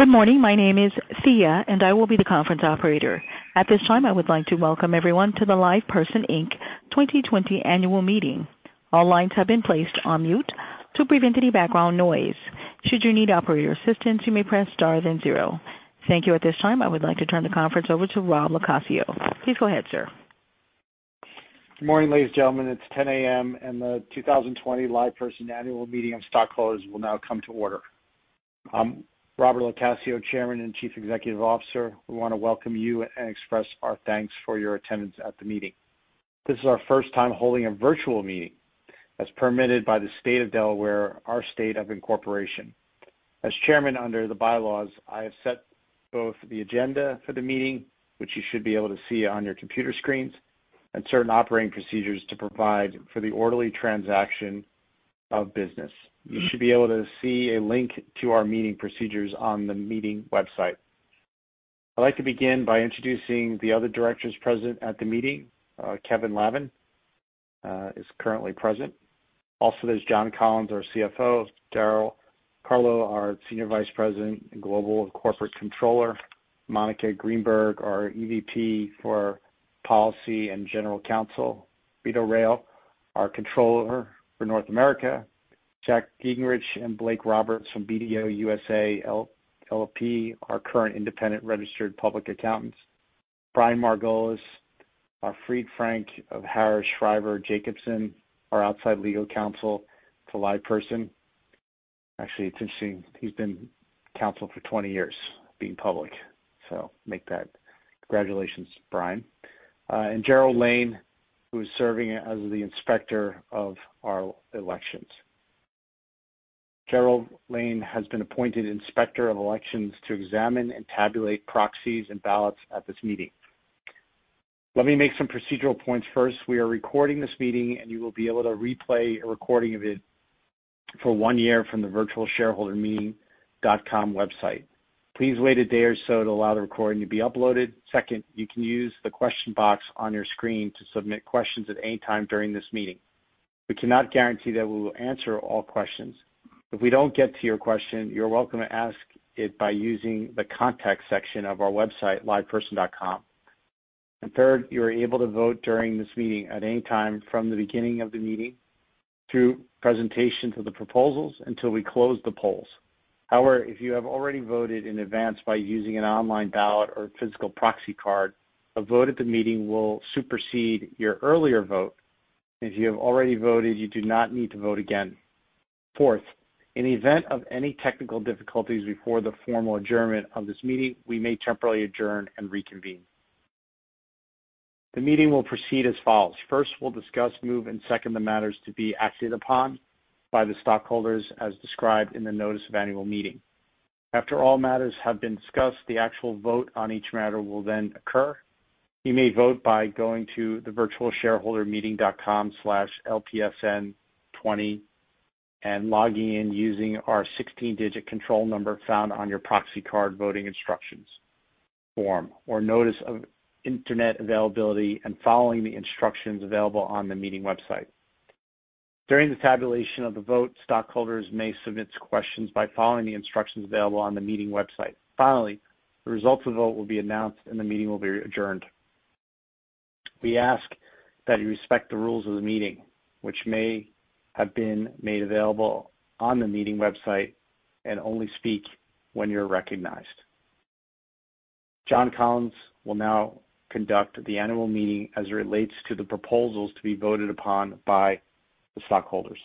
Good morning. My name is Thea, and I will be the conference operator. At this time, I would like to welcome everyone to the LivePerson, Inc. 2020 annual meeting. All lines have been placed on mute to prevent any background noise. Should you need operator assistance, you may press star then zero. Thank you. At this time, I would like to turn the conference over to Rob LoCascio. Please go ahead, sir. Good morning, ladies and gentlemen. It's 10:00 A.M., and the 2020 LivePerson annual meeting of stockholders will now come to order. I'm Rob LoCascio, Chairman and Chief Executive Officer. We want to welcome you and express our thanks for your attendance at the meeting. This is our first time holding a virtual meeting as permitted by the State of Delaware, our state of incorporation. As chairman under the bylaws, I have set both the agenda for the meeting, which you should be able to see on your computer screens, and certain operating procedures to provide for the orderly transaction of business. You should be able to see a link to our meeting procedures on the meeting website. I'd like to begin by introducing the other directors present at the meeting. Kevin Lavan is currently present. There's John Collins, our CFO, Daryl Carlough, our Senior Vice President and Global Corporate Controller, Monica Greenberg, our EVP for Policy and General Counsel, Vito Rao, our Controller for North America, Jack Giegerich and Blake Roberts from BDO USA LLP, our current independent registered public accountants, Brian Margolis, our Fried, Frank, Harris, Shriver & Jacobson, our outside legal counsel to LivePerson. It's interesting. He's been counsel for 20 years, being public, so make that congratulations, Brian. Gerald Lane, who is serving as the Inspector of our elections. Gerald Lane has been appointed Inspector of Elections to examine and tabulate proxies and ballots at this meeting. Let me make some procedural points first. We are recording this meeting, and you will be able to replay a recording of it for one year from the virtualshareholdermeeting.com website. Please wait a day or so to allow the recording to be uploaded. Second, you can use the question box on your screen to submit questions at any time during this meeting. We cannot guarantee that we will answer all questions. If we don't get to your question, you're welcome to ask it by using the contact section of our website, liveperson.com. Third, you are able to vote during this meeting at any time from the beginning of the meeting through presentation to the proposals until we close the polls. However, if you have already voted in advance by using an online ballot or physical proxy card, a vote at the meeting will supersede your earlier vote, and if you have already voted, you do not need to vote again. Fourth, in the event of any technical difficulties before the formal adjournment of this meeting, we may temporarily adjourn and reconvene. The meeting will proceed as follows. First, we'll discuss, move, and second the matters to be acted upon by the stockholders as described in the notice of annual meeting. After all matters have been discussed, the actual vote on each matter will then occur. You may vote by going to the virtualshareholdermeeting.com/lpsn20 and logging in using our 16-digit control number found on your proxy card voting instructions form or notice of internet availability and following the instructions available on the meeting website. During the tabulation of the vote, stockholders may submit questions by following the instructions available on the meeting website. Finally, the results of the vote will be announced, and the meeting will be adjourned. We ask that you respect the rules of the meeting, which may have been made available on the meeting website, and only speak when you're recognized. John Collins will now conduct the annual meeting as it relates to the proposals to be voted upon by the stockholders.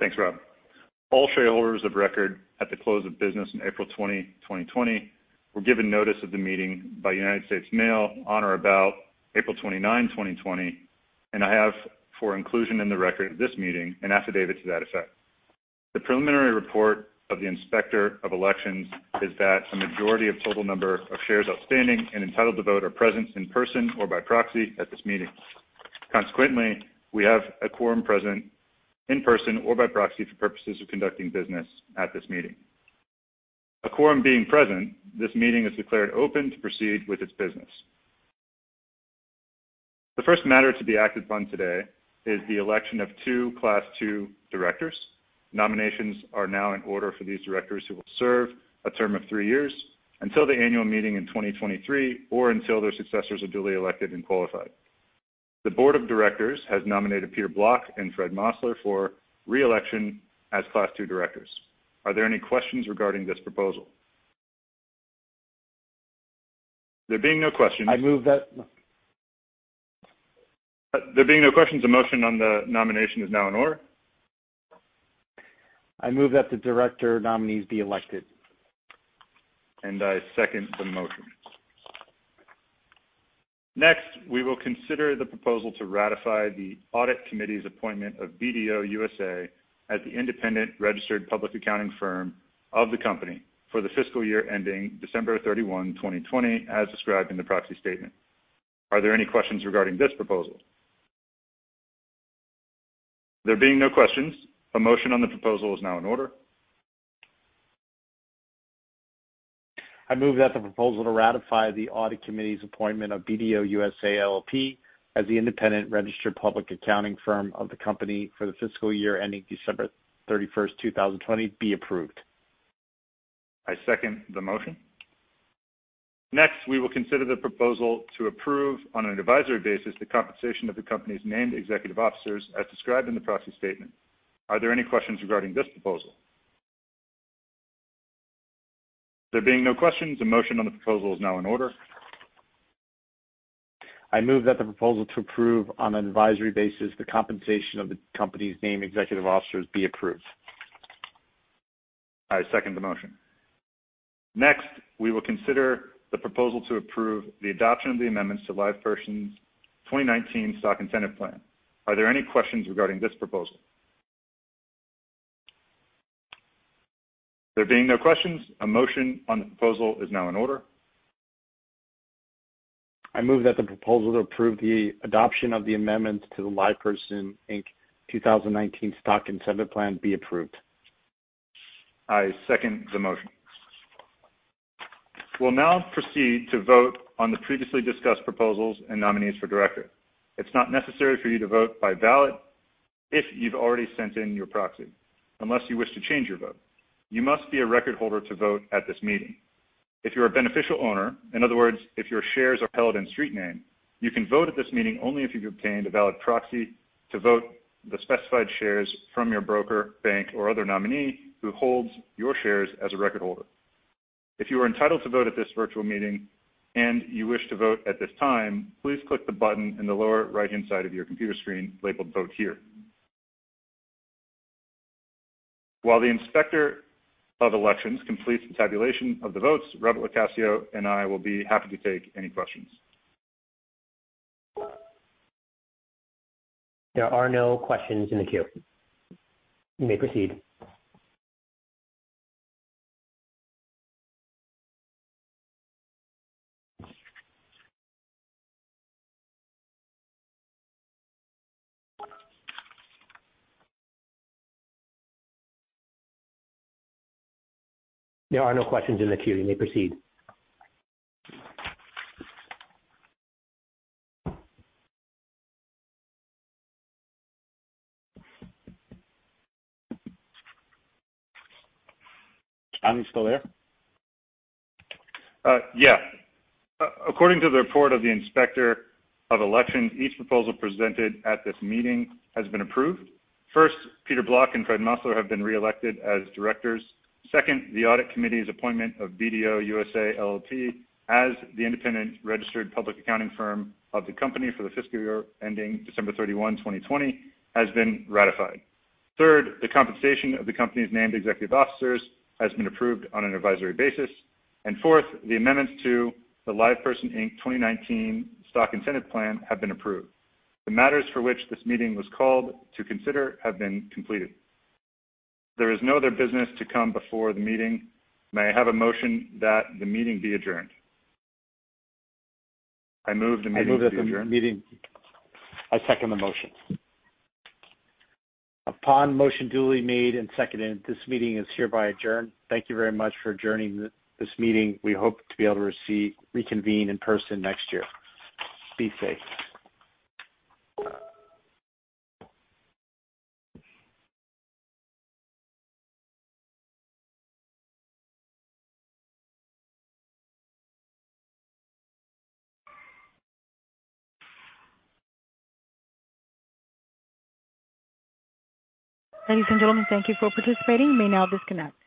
Thanks, Rob. All shareholders of record at the close of business on April 20, 2020, were given notice of the meeting by United States Mail on or about April 29, 2020, and I have, for inclusion in the record of this meeting, an affidavit to that effect. The preliminary report of the Inspector of Elections is that a majority of total number of shares outstanding and entitled to vote are present in person or by proxy at this meeting. Consequently, we have a quorum present in person or by proxy for purposes of conducting business at this meeting. A quorum being present, this meeting is declared open to proceed with its business. The first matter to be acted upon today is the election of two Class II directors. Nominations are now in order for these directors who will serve a term of three years until the annual meeting in 2023 or until their successors are duly elected and qualified. The board of directors has nominated Peter Block and Fred Mossler for re-election as Class II directors. Are there any questions regarding this proposal? There being no questions. I move that. There being no questions, a motion on the nomination is now in order. I move that the director nominees be elected. I second the motion. Next, we will consider the proposal to ratify the audit committee's appointment of BDO USA as the independent registered public accounting firm of the company for the fiscal year ending December 31, 2020, as described in the proxy statement. Are there any questions regarding this proposal? There being no questions, a motion on the proposal is now in order. I move that the proposal to ratify the audit committee's appointment of BDO USA, LLP as the independent registered public accounting firm of the company for the fiscal year ending December 31st, 2020, be approved. I second the motion. Next, we will consider the proposal to approve, on an advisory basis, the compensation of the company's named executive officers as described in the proxy statement. Are there any questions regarding this proposal? There being no questions, a motion on the proposal is now in order. I move that the proposal to approve, on an advisory basis, the compensation of the company's named executive officers be approved. I second the motion. Next, we will consider the proposal to approve the adoption of the amendments to LivePerson's 2019 Stock Incentive Plan. Are there any questions regarding this proposal? There being no questions, a motion on the proposal is now in order. I move that the proposal to approve the adoption of the amendments to the LivePerson, Inc. 2019 Stock Incentive Plan be approved. I second the motion. We'll now proceed to vote on the previously discussed proposals and nominees for director. It's not necessary for you to vote by ballot if you've already sent in your proxy, unless you wish to change your vote. You must be a record holder to vote at this meeting. If you're a beneficial owner, in other words, if your shares are held in street name, you can vote at this meeting only if you've obtained a valid proxy to vote the specified shares from your broker, bank, or other nominee who holds your shares as a record holder. If you are entitled to vote at this virtual meeting and you wish to vote at this time, please click the button in the lower right-hand side of your computer screen labeled Vote Here. While the Inspector of Elections completes the tabulation of the votes, Rob LoCascio and I will be happy to take any questions. There are no questions in the queue. You may proceed. There are no questions in the queue. You may proceed. Are you still there? According to the report of the Inspector of Elections, each proposal presented at this meeting has been approved. First, Peter Block and Fred Mossler have been reelected as directors. Second, the audit committee's appointment of BDO USA, LLP as the independent registered public accounting firm of the company for the fiscal year ending December 31, 2020, has been ratified. Third, the compensation of the company's named executive officers has been approved on an advisory basis. Fourth, the amendments to the LivePerson, Inc. 2019 Stock Incentive Plan have been approved. The matters for which this meeting was called to consider have been completed. If there is no other business to come before the meeting, may I have a motion that the meeting be adjourned? I move the meeting be adjourned. I second the motion. Upon motion duly made and seconded, this meeting is hereby adjourned. Thank you very much for adjourning this meeting. We hope to be able to reconvene in person next year. Be safe. Ladies and gentlemen, thank you for participating. You may now disconnect.